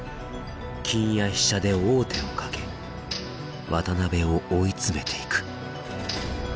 金や飛車で王手をかけ渡辺を追い詰めていく。